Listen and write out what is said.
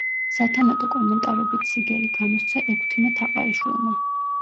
სათანადო კომენტარებით სიგელი გამოსცა ექვთიმე თაყაიშვილმა.